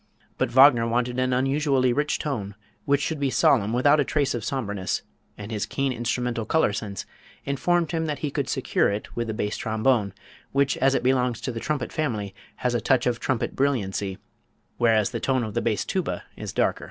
But Wagner wanted an unusually rich tone which should be solemn without a trace of sombreness, and his keen instrumental color sense informed him that he could secure it with the bass trombone, which, as it belongs to the trumpet family, has a touch of trumpet brilliancy, whereas the tone of the bass tuba is darker.